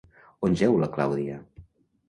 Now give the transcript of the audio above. On jeu la Clàudia?